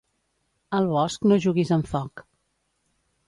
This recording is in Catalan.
Al bosc no juguis amb foc.